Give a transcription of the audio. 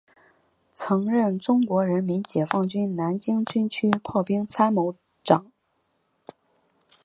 曾任中国人民解放军南京军区炮兵参谋长。